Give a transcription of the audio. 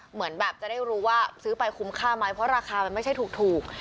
เหมือนแบบจะได้รู้ว่าซื้อไปคุ้มค่าไหมเพราะราคามันไม่ใช่ถูก